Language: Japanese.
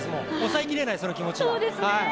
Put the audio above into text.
抑えきれない、その気持ちが。